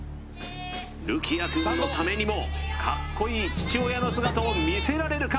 琉輝也くんのためにもかっこいい父親の姿を見せられるか？